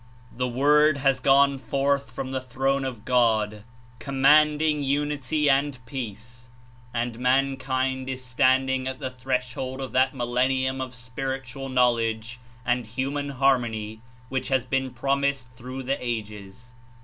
The Word has gone forth from the Throne of God, commanding unity and peace, and mankind Is stand ing at the threshold of that millenlum of spiritual knowledge and human harmony which has been promised through the ages.